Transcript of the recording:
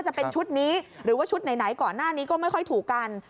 จะเป็นชุดนี้หรือว่าชุดไหนก่อนหน้านี้ก็ไม่ค่อยถูกกัน